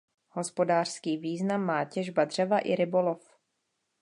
Hospodářský význam má těžba dřeva i rybolov.